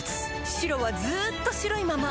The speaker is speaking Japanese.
白はずっと白いまま